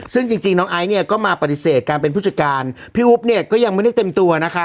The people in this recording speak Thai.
ซึ่งจริงน้องไอซ์เนี่ยก็มาปฏิเสธการเป็นผู้จัดการพี่อุ๊บเนี่ยก็ยังไม่ได้เต็มตัวนะคะ